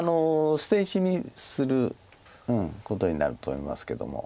捨て石にすることになると思いますけども。